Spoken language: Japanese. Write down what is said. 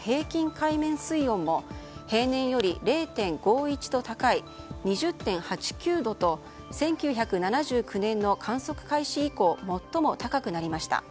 海面水温も平年より０．５１度高い２０．８９度と１９７９年の観測開始以降最も高くなりました。